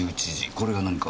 これが何か？